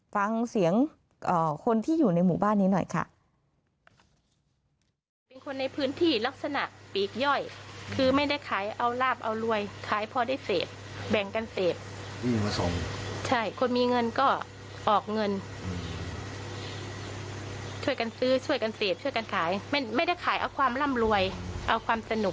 ฟังเสียงคนที่อยู่ในหมู่บ้านนี้หน่อยค่ะ